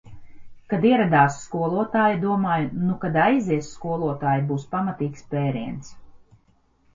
"Kad ieradās skolotāja, domāju "Nu, kad aizies skolotāja, būs pamatīgs pēriens"."